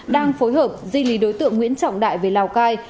đang phối hợp di lý đối tượng nguyễn trọng đại về lào cai